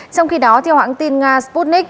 trong khi đó theo hãng tin nga sputnik